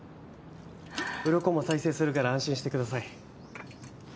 うろこも再生するから安心してください。